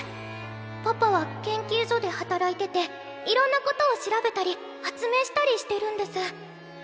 パパは研究所で働いてていろんなことを調べたり発明したりしてるんです。